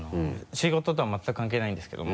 仕事とは全く関係ないんですけども。